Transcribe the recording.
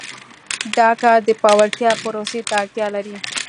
دا کار د پیاوړتیا پروسې ته اړتیا لري.